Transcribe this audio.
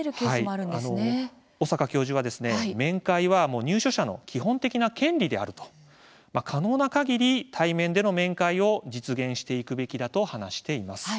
小坂教授は面会は入所者の基本的な権利であると可能なかぎり対面での面会を実現していくべきだと話しています。